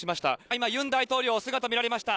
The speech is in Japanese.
今、ユン大統領、姿見られました。